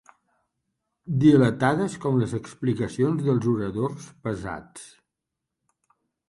Dilatades com les explicacions dels oradors pesats.